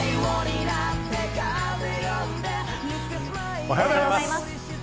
おはようございます。